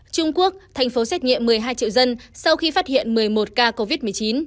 trung quốc thành phố xét nghiệm một mươi hai triệu dân sau khi phát hiện một mươi một ca covid một mươi chín